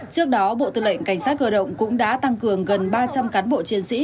trước đó bộ tư lệnh cảnh sát cơ động cũng đã tăng cường gần ba trăm linh cán bộ chiến sĩ